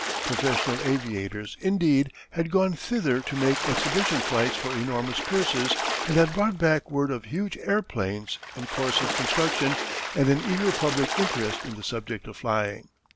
Professional aviators, indeed, had gone thither to make exhibition flights for enormous purses and had brought back word of huge airplanes in course of construction and an eager public interest in the subject of flying.